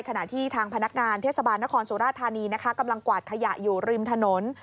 ขณะที่ทางพนักงานเทศบาลนครสุราธานีนะคะกำลังกวาดขยะอยู่ริมถนน